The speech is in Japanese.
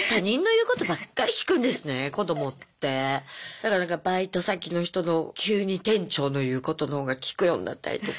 だからなんかバイト先の人の急に店長の言うことのほうが聞くようになったりとか。